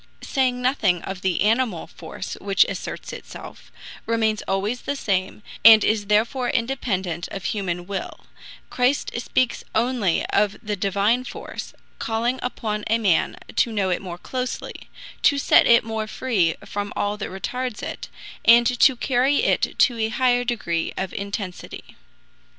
Saying nothing of the animal force which asserts itself, remains always the same, and is therefore independent of human will, Christ speaks only of the Divine force, calling upon a man to know it more closely, to set it more free from all that retards it, and to carry it to a higher degree of intensity.